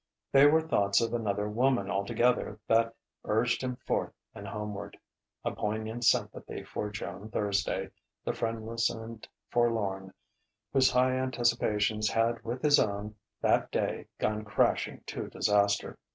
They were thoughts of another woman altogether that urged him forth and homeward a poignant sympathy for Joan Thursday, the friendless and forlorn, whose high anticipations had with his own that day gone crashing to disaster.